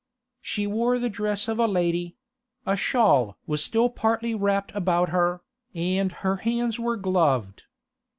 She wore the dress of a lady; a shawl was still partly wrapped about her, and her hands were gloved.